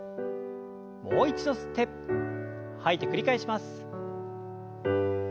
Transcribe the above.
もう一度吸って吐いて繰り返します。